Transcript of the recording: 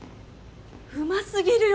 うますぎるよ